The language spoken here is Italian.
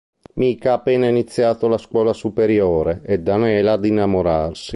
Mika ha appena iniziato la scuola superiore ed anela ad innamorarsi.